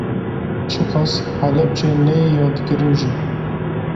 Çiqas Helepçe neyê yadkirin jî